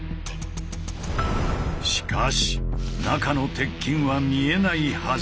しかし中の鉄筋は見えないはず。